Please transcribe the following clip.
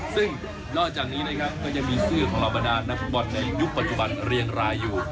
ซึ่งนอกจากนี้นะครับก็ยังมีชื่อของเราบรรดานนักฟุตบอลในยุคปัจจุบันเรียงรายอยู่